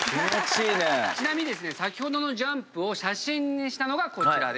ちなみに先ほどのジャンプを写真にしたのがこちらです。